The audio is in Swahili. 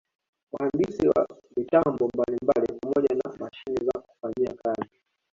Wahandisi wa mitambo mbalimbali pamoja na mashine za kufanyia kazi